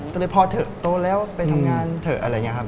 ก็เลยพอเถอะโตแล้วไปทำงานเถอะอะไรอย่างนี้ครับ